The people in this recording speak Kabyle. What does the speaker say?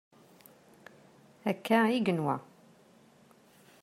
Akka i yenwa.